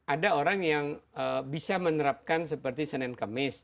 ada orang yang bisa menerapkan seperti senin kemis